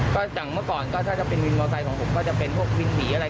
ก็อย่างเมื่อก่อนก็ถ้าจะเป็นวินมอไซค์ของผมก็จะเป็นพวกวินผีอะไร